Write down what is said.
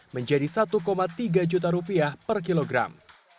menjadi rp satu tiga juta rupiah per kilogram